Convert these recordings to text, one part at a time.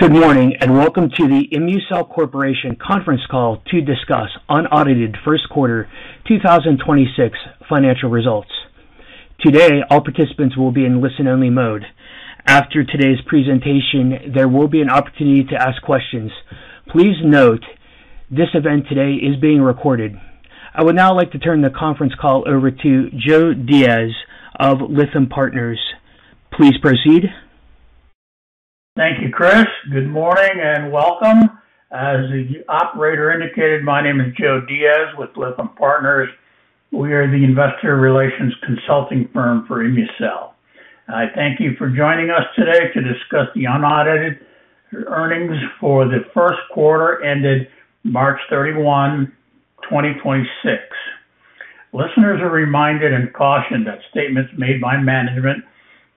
Good morning, and welcome to the ImmuCell Corporation conference call to discuss unaudited first quarter 2026 financial results. Today, all participants will be in listen-only mode. After today's presentation, there will be an opportunity to ask questions. Please note this event today is being recorded. I would now like to turn the conference call over to Joe Diaz of Lytham Partners. Please proceed. Thank you, Chris. Good morning and welcome. As the operator indicated, my name is Joe Diaz with Lytham Partners. We are the investor relations consulting firm for ImmuCell. I thank you for joining us today to discuss the unaudited earnings for the first quarter ended March 31, 2026. Listeners are reminded and cautioned that statements made by management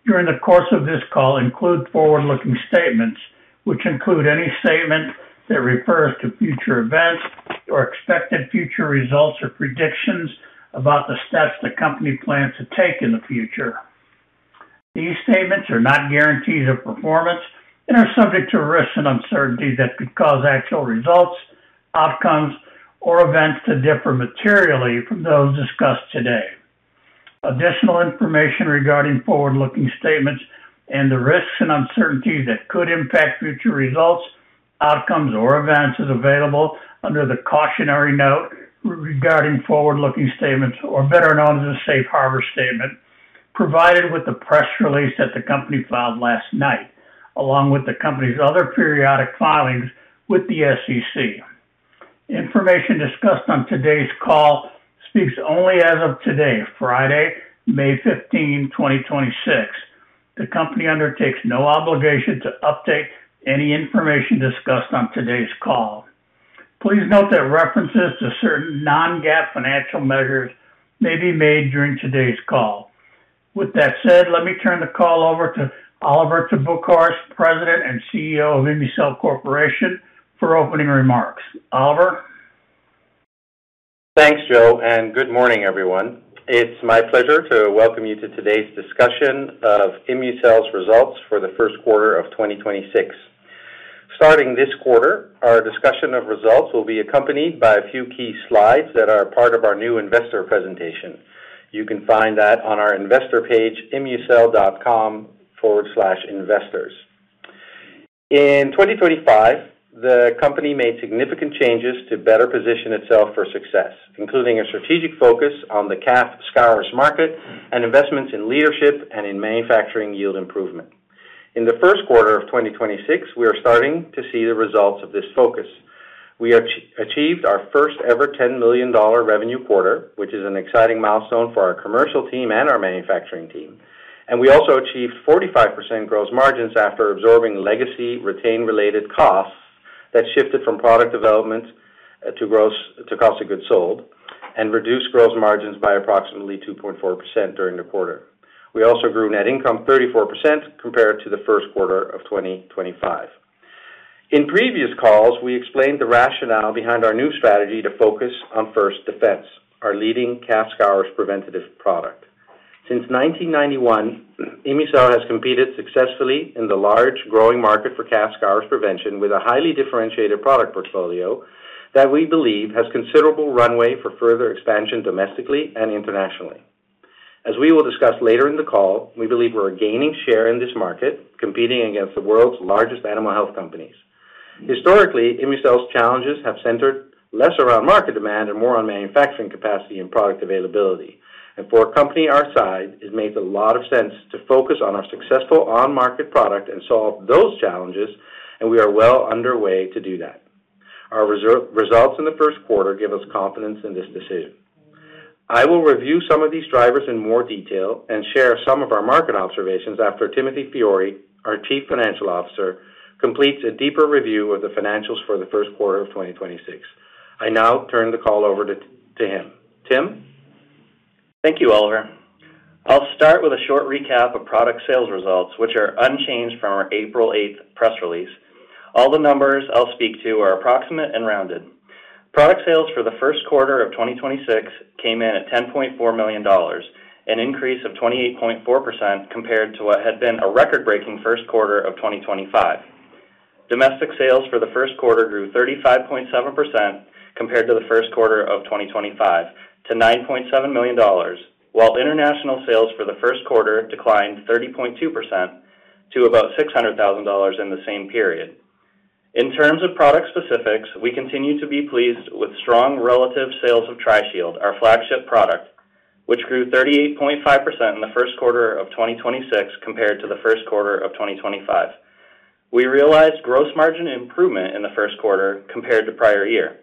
during the course of this call include forward-looking statements, which include any statement that refers to future events or expected future results or predictions about the steps the company plans to take in the future. These statements are not guarantees of performance and are subject to risks and uncertainties that could cause actual results, outcomes, or events to differ materially from those discussed today. Additional information regarding forward-looking statements and the risks and uncertainties that could impact future results, outcomes, or events is available under the cautionary note regarding forward-looking statements or better known as a safe harbor statement, provided with the press release that the company filed last night, along with the company's other periodic filings with the SEC. Information discussed on today's call speaks only as of today, Friday, May 15, 2026. The company undertakes no obligation to update any information discussed on today's call. Please note that references to certain non-GAAP financial measures may be made during today's call. With that said, let me turn the call over to Olivier te Boekhorst, President and Chief Executive Officer of ImmuCell Corporation, for opening remarks. Olivier. Thanks, Joe. Good morning, everyone. It's my pleasure to welcome you to today's discussion of ImmuCell's results for the first quarter of 2026. Starting this quarter, our discussion of results will be accompanied by a few key slides that are part of our new investor presentation. You can find that on our investor page, immucell.com/investors. In 2025, the company made significant changes to better position itself for success, including a strategic focus on the calf scours market and investments in leadership and in manufacturing yield improvement. In the first quarter of 2026, we are starting to see the results of this focus. We achieved our first-ever $10 million revenue quarter, which is an exciting milestone for our commercial team and our manufacturing team. We also achieved 45% gross margins after absorbing legacy Re-Tain-related costs that shifted from product development to cost of goods sold and reduced gross margins by approximately 2.4% during the quarter. We also grew net income 34% compared to the first quarter of 2025. In previous calls, we explained the rationale behind our new strategy to focus on First Defense, our leading calf scours preventative product. Since 1991, ImmuCell has competed successfully in the large growing market for calf scours prevention with a highly differentiated product portfolio that we believe has considerable runway for further expansion domestically and internationally. As we will discuss later in the call, we believe we're gaining share in this market, competing against the world's largest animal health companies. Historically, ImmuCell's challenges have centered less around market demand and more on manufacturing capacity and product availability. For a company our size, it makes a lot of sense to focus on our successful on-market product and solve those challenges, and we are well underway to do that. Our results in the first quarter give us confidence in this decision. I will review some of these drivers in more detail and share some of our market observations after Timothy Fiori, our Chief Financial Officer, completes a deeper review of the financials for the first quarter of 2026. I now turn the call over to him. Tim. Thank you, Olivier. I'll start with a short recap of product sales results, which are unchanged from our April 8th press release. All the numbers I'll speak to are approximate and rounded. Product sales for the first quarter of 2026 came in at $10.4 million, an increase of 28.4% compared to what had been a record-breaking first quarter of 2025. Domestic sales for the first quarter grew 35.7% compared to the first quarter of 2025 to $9.7 million, while international sales for the first quarter declined 30.2% to about $600,000 in the same period. In terms of product specifics, we continue to be pleased with strong relative sales of Tri-Shield, our flagship product, which grew 38.5% in the first quarter of 2026 compared to the first quarter of 2025. We realized gross margin improvement in the first quarter compared to prior year.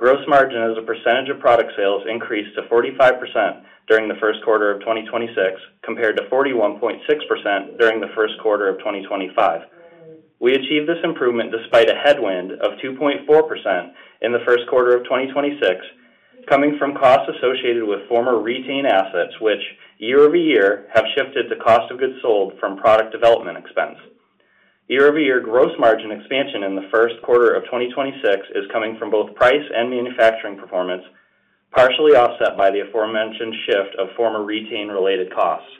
Gross margin as a percentage of product sales increased to 45% during the first quarter of 2026, compared to 41.6% during the first quarter of 2025. We achieved this improvement despite a headwind of 2.4% in the first quarter of 2026, coming from costs associated with former Re-Tain assets, which year-over-year have shifted to cost of goods sold from product development expense. Year over year gross margin expansion in the first quarter of 2026 is coming from both price and manufacturing performance. Partially offset by the aforementioned shift of former Re-Tain related costs.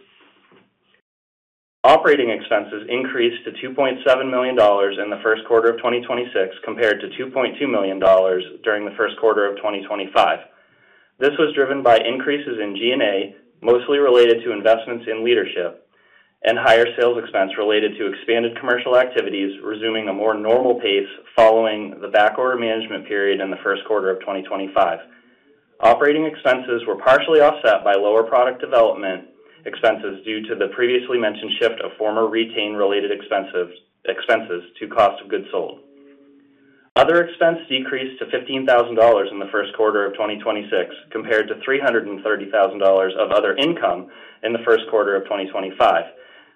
Operating expenses increased to $2.7 million in the first quarter of 2026, compared to $2.2 million during the first quarter of 2025. This was driven by increases in G&A, mostly related to investments in leadership and higher sales expense related to expanded commercial activities resuming a more normal pace following the backorder management period in the first quarter of 2025. Operating expenses were partially offset by lower product development expenses due to the previously mentioned shift of former Re-Tain-related expenses to cost of goods sold. Other expense decreased to $15,000 in the first quarter of 2026, compared to $330,000 of other income in the first quarter of 2025.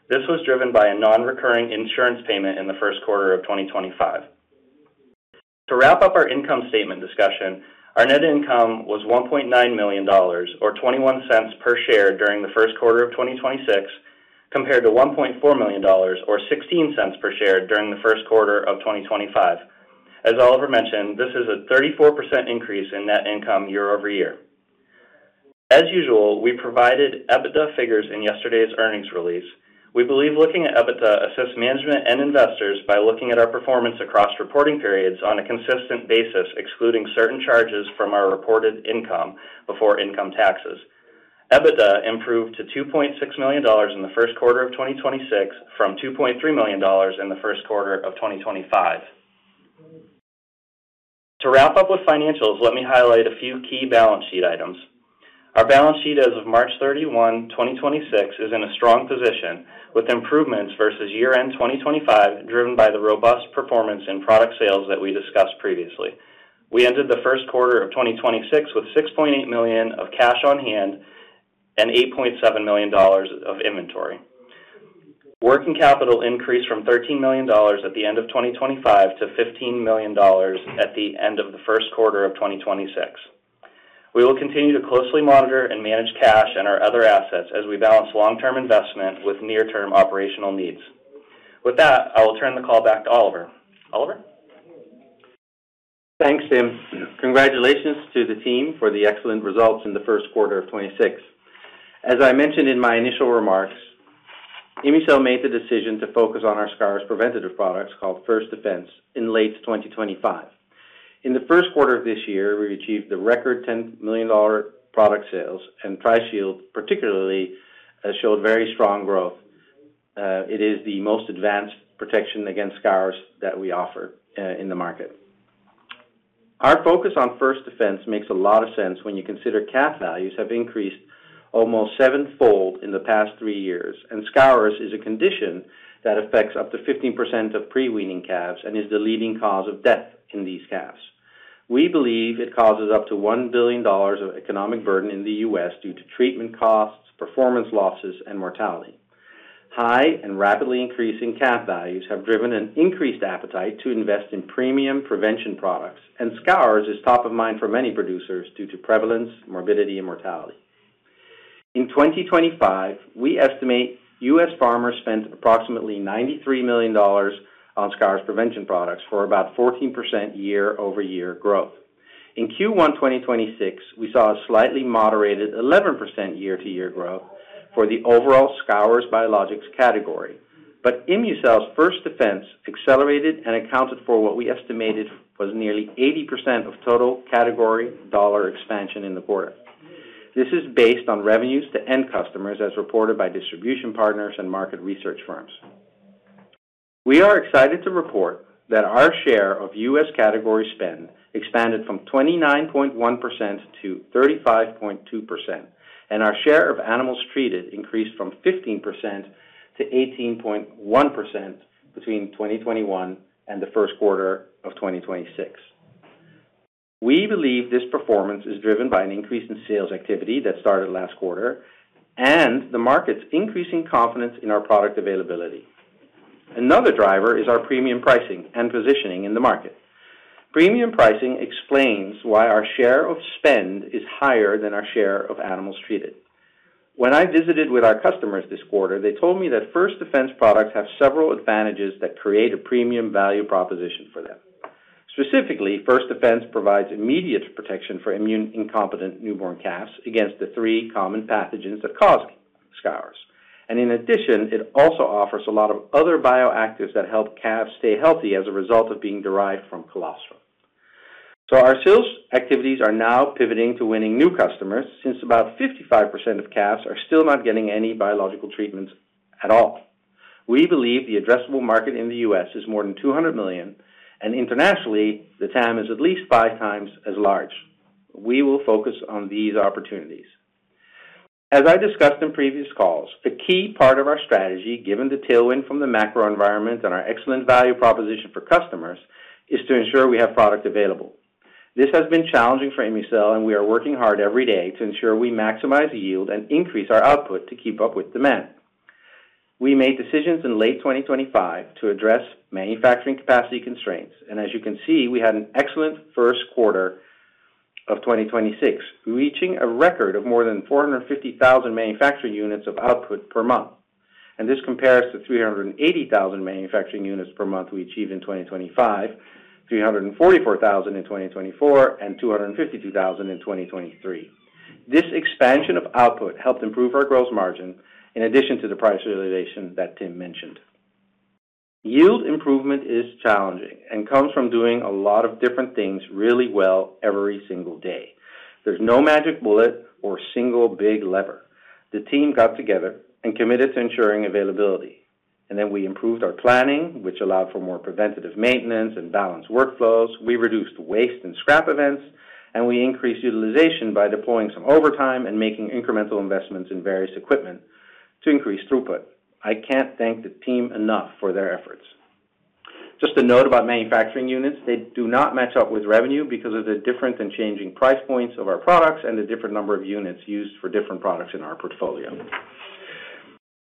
This was driven by a non-recurring insurance payment in the first quarter of 2025. To wrap up our income statement discussion, our net income was $1.9 million or $0.21 per share during the first quarter of 2026, compared to $1.4 million or $0.16 per share during the first quarter of 2025. As Olivier mentioned, this is a 34% increase in net income year-over-year. As usual, we provided EBITDA figures in yesterday's earnings release. We believe looking at EBITDA assists management and investors by looking at our performance across reporting periods on a consistent basis, excluding certain charges from our reported income before income taxes. EBITDA improved to $2.6 million in the first quarter of 2026 from $2.3 million in the first quarter of 2025. To wrap up with financials, let me highlight a few key balance sheet items. Our balance sheet as of March 31, 2026 is in a strong position with improvements versus year-end 2025, driven by the robust performance in product sales that we discussed previously. We ended the first quarter of 2026 with $6.8 million of cash on hand and $8.7 million of inventory. Working capital increased from $13 million at the end of 2025 to $15 million at the end of the first quarter of 2026. We will continue to closely monitor and manage cash and our other assets as we balance long-term investment with near-term operational needs. With that, I will turn the call back to Olivier. Olivier? Thanks, Tim. Congratulations to the team for the excellent results in the first quarter of 2026. As I mentioned in my initial remarks, ImmuCell made the decision to focus on our scours preventative products called First Defense in late 2025. In the first quarter of this year, we've achieved the record $10 million product sales, and Tri-Shield particularly has showed very strong growth. It is the most advanced protection against scours that we offer in the market. Our focus on First Defense makes a lot of sense when you consider calf values have increased almost sevenfold in the past three years, and scours is a condition that affects up to 15% of pre-weaning calves and is the leading cause of death in these calves. We believe it causes up to $1 billion of economic burden in the U.S. due to treatment costs, performance losses, and mortality. High and rapidly increasing calf values have driven an increased appetite to invest in premium prevention products, and scours is top of mind for many producers due to prevalence, morbidity, and mortality. In 2025, we estimate U.S. farmers spent approximately $93 million on scours prevention products for about 14% year-over-year growth. In Q1 2026, we saw a slightly moderated 11% year-over-year growth for the overall scours biologics category. ImmuCell's First Defense accelerated and accounted for what we estimated was nearly 80% of total category dollar expansion in the quarter. This is based on revenues to end customers as reported by distribution partners and market research firms. We are excited to report that our share of U.S. category spend expanded from 29.1% to 35.2%, and our share of animals treated increased from 15% to 18.1% between 2021 and the first quarter of 2026. We believe this performance is driven by an increase in sales activity that started last quarter and the market's increasing confidence in our product availability. Another driver is our premium pricing and positioning in the market. Premium pricing explains why our share of spend is higher than our share of animals treated. When I visited with our customers this quarter, they told me that First Defense products have several advantages that create a premium value proposition for them. Specifically, First Defense provides immediate protection for immune-incompetent newborn calves against the three common pathogens that cause scours. In addition, it also offers a lot of other bioactives that help calves stay healthy as a result of being derived from colostrum. Our sales activities are now pivoting to winning new customers since about 55% of calves are still not getting any biological treatments at all. We believe the addressable market in the U.S. is more than $200 million, and internationally, the TAM is at least 5x as large. We will focus on these opportunities. As I discussed in previous calls, the key part of our strategy, given the tailwind from the macro environment and our excellent value proposition for customers, is to ensure we have product available. This has been challenging for ImmuCell, and we are working hard every day to ensure we maximize yield and increase our output to keep up with demand. We made decisions in late 2025 to address manufacturing capacity constraints, as you can see, we had an excellent first quarter of 2026, reaching a record of more than 450,000 manufacturing units of output per month. This compares to 380,000 manufacturing units per month we achieved in 2025, 344,000 in 2024, and 252,000 in 2023. This expansion of output helped improve our gross margin in addition to the price realization that Tim mentioned. Yield improvement is challenging and comes from doing a lot of different things really well every single day. There's no magic bullet or single big lever. The team got together and committed to ensuring availability. Then we improved our planning, which allowed for more preventative maintenance and balanced workflows. We reduced waste and scrap events, and we increased utilization by deploying some overtime and making incremental investments in various equipment to increase throughput. I can't thank the team enough for their efforts. Just a note about manufacturing units. They do not match up with revenue because of the difference in changing price points of our products and the different number of units used for different products in our portfolio.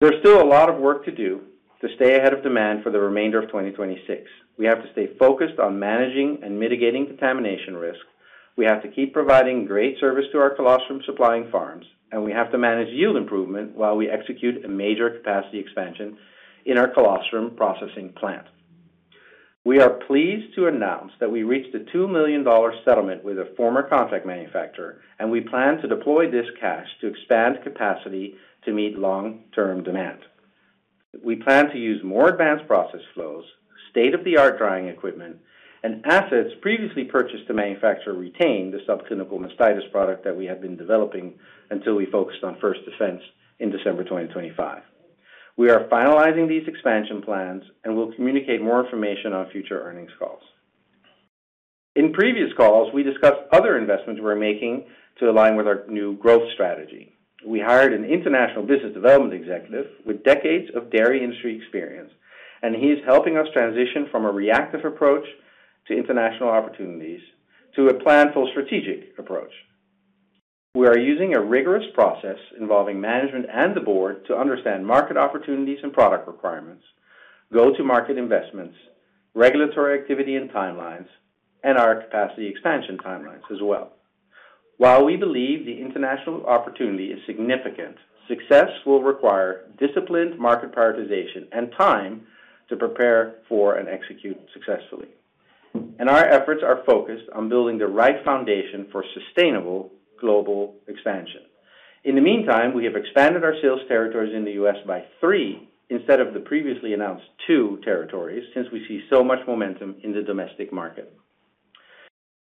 There's still a lot of work to do to stay ahead of demand for the remainder of 2026. We have to stay focused on managing and mitigating contamination risk. We have to keep providing great service to our colostrum supplying farms, and we have to manage yield improvement while we execute a major capacity expansion in our colostrum processing plant. We are pleased to announce that we reached a $2 million settlement with a former contract manufacturer. We plan to deploy this cash to expand capacity to meet long-term demand. We plan to use more advanced process flows, state-of-the-art drying equipment, and assets previously purchased to manufacture Re-Tain the subclinical mastitis product that we have been developing until we focused on First Defense in December 2025. We are finalizing these expansion plans. We will communicate more information on future earnings calls. In previous calls, we discussed other investments we're making to align with our new growth strategy. We hired an international business development executive with decades of dairy industry experience. He's helping us transition from a reactive approach to international opportunities to a planful strategic approach. We are using a rigorous process involving management and the board to understand market opportunities and product requirements, go-to-market investments, regulatory activity and timelines, and our capacity expansion timelines as well. While we believe the international opportunity is significant, success will require disciplined market prioritization and time to prepare for and execute successfully. Our efforts are focused on building the right foundation for sustainable global expansion. In the meantime, we have expanded our sales territories in the U.S. by three instead of the previously announced two territories since we see so much momentum in the domestic market.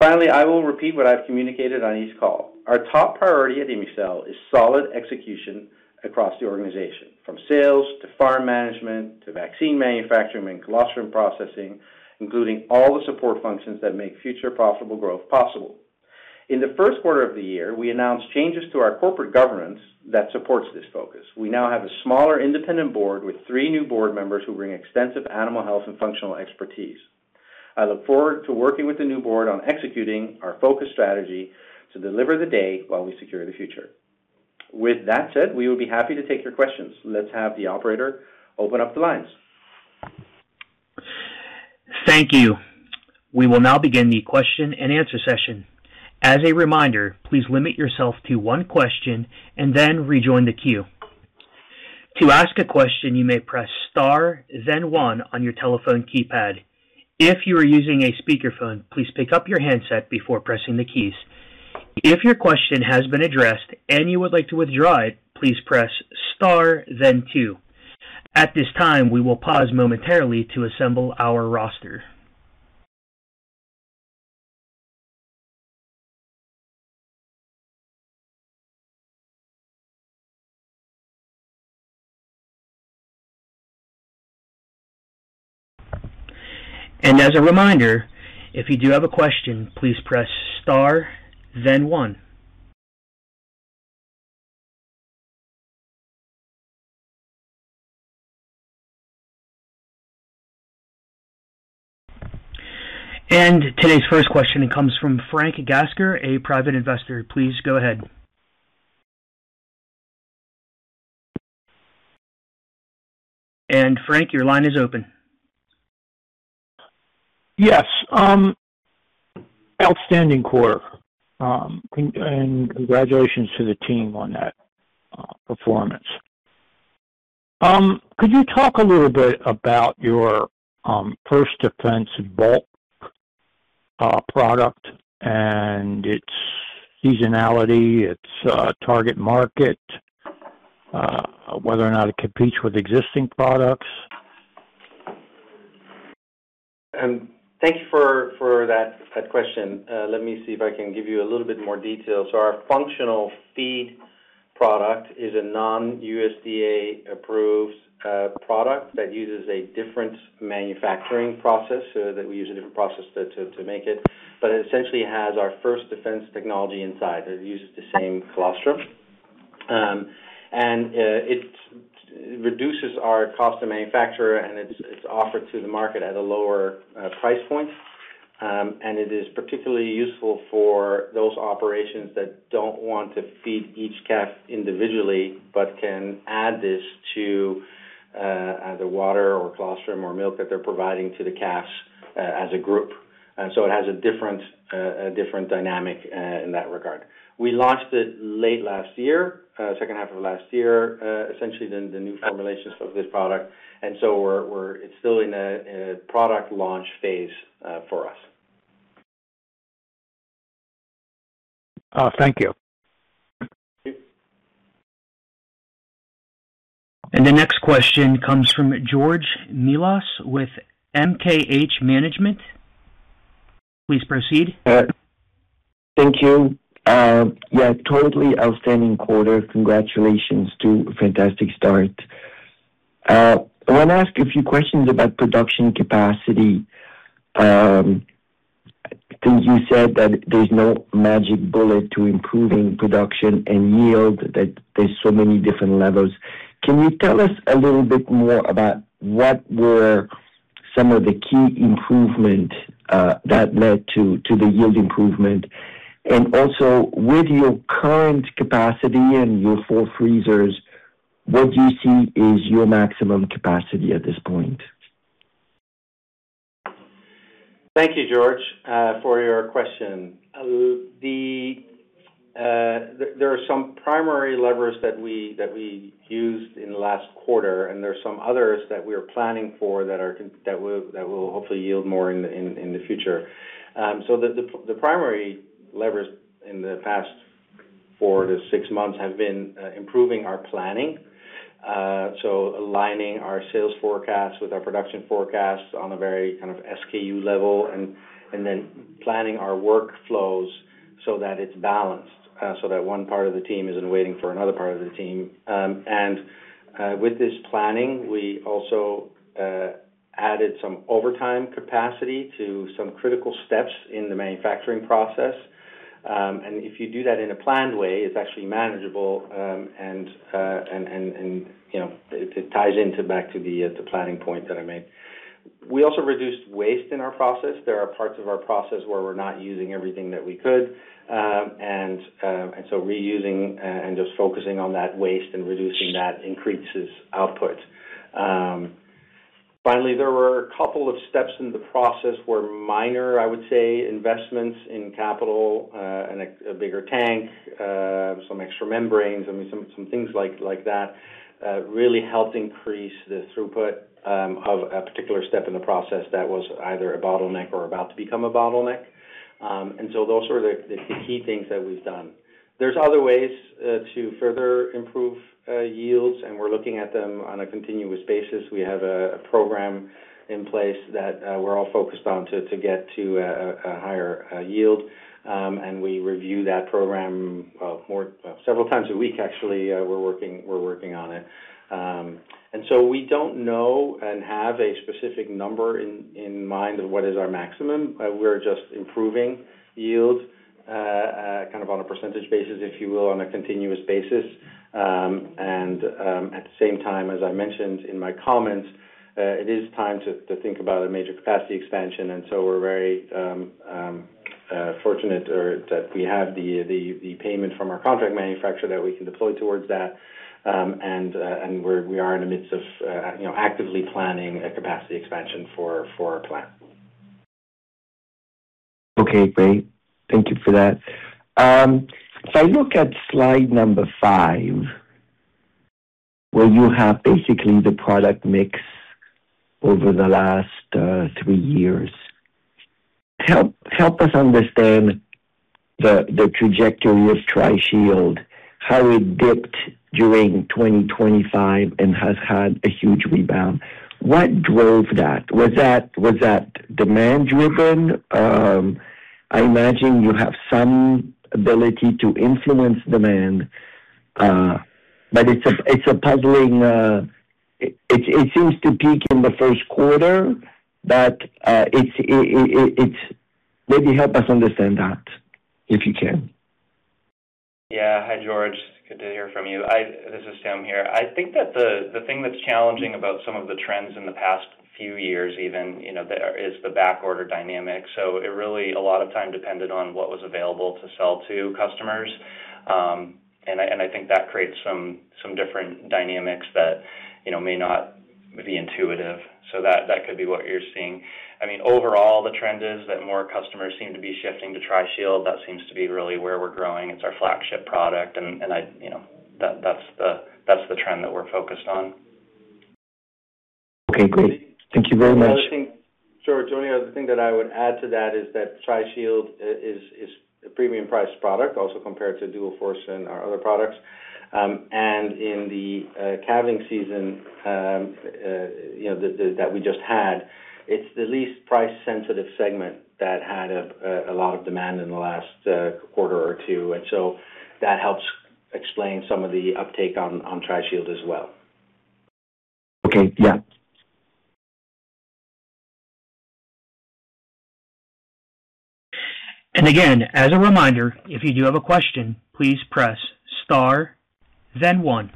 Finally, I will repeat what I've communicated on each call. Our top priority at ImmuCell is solid execution across the organization, from sales to farm management to vaccine manufacturing and colostrum processing, including all the support functions that make future profitable growth possible. In the first quarter of the year, we announced changes to our corporate governance that supports this focus. We now have a smaller independent board with three new board members who bring extensive animal health and functional expertise. I look forward to working with the new board on executing our focus strategy to deliver the day while we secure the future. With that said, we will be happy to take your questions. Let's have the operator open up the lines. Thank you. We will now begin the question and answer session. As a reminder, please limit yourself to one question and then rejoin the queue. To ask a question, you may press star then one on your telephone keypad. If you are using a speakerphone, please pick up your handset before pressing the keys. If your question has been addressed and you would like to withdraw it, please press star then two. At this time, we will pause momentarily to assemble our roster. As a reminder, if you do have a question, please press star then one. Today's first question comes from Frank Gasker, a private investor. Please go ahead. Frank, your line is open. Yes, outstanding quarter, and congratulations to the team on that performance. Could you talk a little bit about your First Defense bulk product and its seasonality, its target market, whether or not it competes with existing products? Thank you for that question. Let me see if I can give you a little bit more detail. Our functional feed product is a non-USDA approved product that uses a different manufacturing process that we use a different process to make it. It essentially has our First Defense technology inside. It uses the same colostrum. It reduces our cost to manufacture, and it's offered to the market at a lower price point. It is particularly useful for those operations that don't want to feed each calf individually, but can add this to either water or colostrum or milk that they're providing to the calves as a group. It has a different dynamic in that regard. We launched it late last year, second half of last year, essentially the new formulations of this product. We're still in a product launch phase, for us. Oh, thank you. Okay. The next question comes from George Melas-Kyriazi with MKH Management. Please proceed. Thank you. Yeah, totally outstanding quarter. Congratulations to a fantastic start. I wanna ask a few questions about production capacity. I think you said that there's no magic bullet to improving production and yield, that there's so many different levels. Can you tell us a little bit more about what were some of the key improvement that led to the yield improvement? Also, with your current capacity and your four freezers, what do you see is your maximum capacity at this point? Thank you, George, for your question. The, there are some primary levers that we used in the last quarter, and there are some others that we are planning for that will hopefully yield more in the future. The primary levers in the past four to six months have been improving our planning. Aligning our sales forecasts with our production forecasts on a very kind of SKU level and then planning our workflows so that it's balanced, so that one part of the team isn't waiting for another part of the team. With this planning, we also added some overtime capacity to some critical steps in the manufacturing process. If you do that in a planned way, it's actually manageable. You know, it ties into back to the planning point that I made. We also reduced waste in our process. There are parts of our process where we're not using everything that we could. Reusing and just focusing on that waste and reducing that increases output. Finally, there were a couple of steps in the process where minor, I would say, investments in capital, a bigger tank, some extra membranes, I mean, some things like that, really helped increase the throughput of a particular step in the process that was either a bottleneck or about to become a bottleneck. Those are the key things that we've done. There's other ways to further improve yields, and we're looking at them on a continuous basis. We have a program in place that we're all focused on to get to a higher yield. We review that program more several times a week actually, we're working on it. We don't know and have a specific number in mind of what is our maximum. We're just improving yield kind of on a percentage basis, if you will, on a continuous basis. At the same time, as I mentioned in my comments, it is time to think about a major capacity expansion. We're very fortunate or that we have the payment from our contract manufacturer that we can deploy towards that. We are in the midst of, you know, actively planning a capacity expansion for our plant. Okay, great. Thank you for that. If I look at slide five, where you have basically the product mix over the last three years, help us understand the trajectory with Tri-Shield, how it dipped during 2025 and has had a huge rebound. What drove that? Was that demand-driven? I imagine you have some ability to influence demand, but it's a puzzling. It seems to peak in the first quarter, but, Maybe help us understand that, if you can. Hi, George. Good to hear from you. This is Tim here. I think that the thing that's challenging about some of the trends in the past few years even, you know, there is the back order dynamic. It really a lot of time depended on what was available to sell to customers. I think that creates some different dynamics that, you know, may not be intuitive. That could be what you're seeing. I mean, overall, the trend is that more customers seem to be shifting to Tri-Shield. That seems to be really where we're growing. It's our flagship product, and I, you know, that's the trend that we're focused on. Okay, great. Thank you very much. George, only other thing that I would add to that is that Tri-Shield is a premium priced product also compared to Dual-Force and our other products. In the calving season, you know, the that we just had, it's the least price-sensitive segment that had a lot of demand in the last quarter or two. That helps explain some of the uptake on Tri-Shield as well. Okay. Yeah. Again, as a reminder, if you do have a question, please press star then one.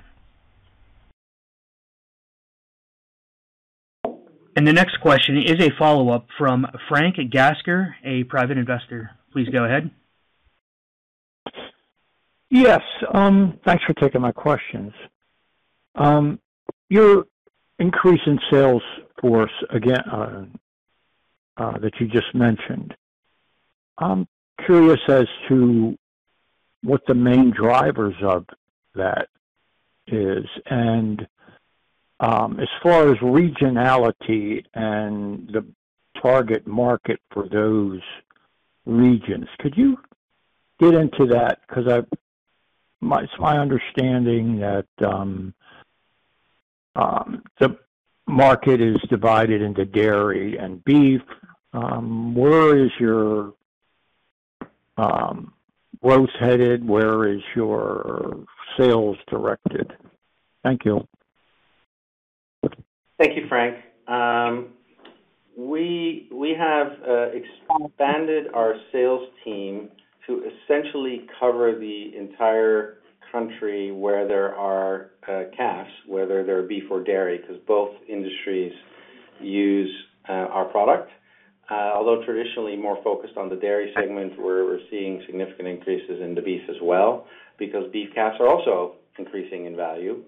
The next question is a follow-up from Frank Gasker, a private investor. Please go ahead. Yes. Thanks for taking my questions. Your increase in sales force again that you just mentioned, I am curious as to what the main drivers of that is. As far as regionality and the target market for those regions, could you get into that? Because it's my understanding that the market is divided into dairy and beef. Where is your growth headed? Where is your sales directed? Thank you. Thank you, Frank. We have expanded our sales team to essentially cover the entire country where there are calves, whether they're beef or dairy, because both industries use our product. Although traditionally more focused on the dairy segment, we're seeing significant increases in the beef as well because beef calves are also increasing in value.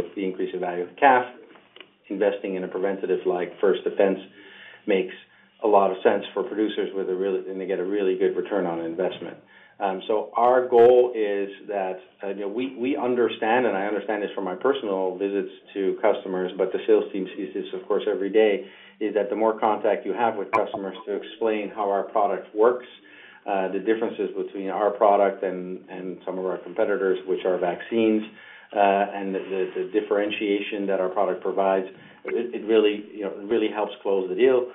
With the increase in value of calf, investing in a preventative like First Defense makes a lot of sense for producers and they get a really good return on investment. Our goal is that, you know, we understand, and I understand this from my personal visits to customers, but the sales team sees this, of course, every day, is that the more contact you have with customers to explain how our product works, the differences between our product and some of our competitors, which are vaccines, and the differentiation that our product provides, it really, you know, really helps close the deal,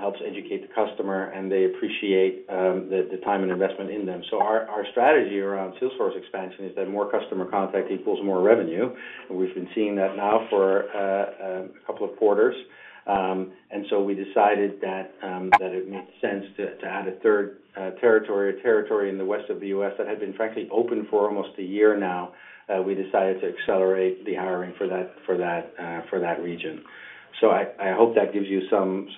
helps educate the customer, and they appreciate the time and investment in them. Our, our strategy around sales force expansion is that more customer contact equals more revenue. We've been seeing that now for a couple of quarters. We decided that it made sense to add a third territory, a territory in the west of the U.S. that had been frankly open for almost a year now. We decided to accelerate the hiring for that, for that, for that region. I hope that gives you some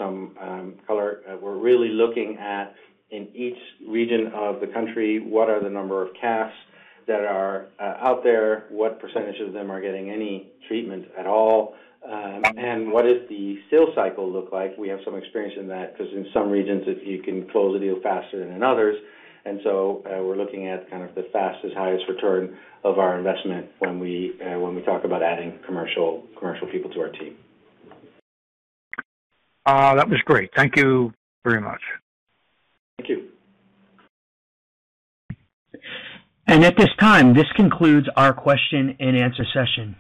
color. We're really looking at in each region of the country, what are the number of calves that are out there? What percentage of them are getting any treatment at all? What does the sales cycle look like? We have some experience in that because in some regions, if you can close a deal faster than in others. We're looking at kind of the fastest, highest ROI when we, when we talk about adding commercial people to our team. That was great. Thank you very much. Thank you. At this time, this concludes our question and answer session.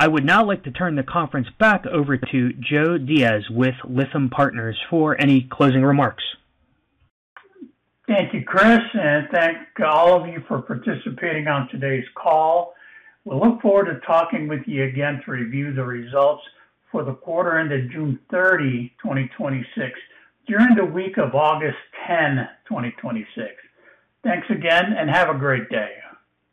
I would now like to turn the conference back over to Joe Diaz with Lytham Partners for any closing remarks. Thank you, Chris, and thank all of you for participating on today's call. We look forward to talking with you again to review the results for the quarter ended June 30, 2026, during the week of August 10, 2026. Thanks again, and have a great day.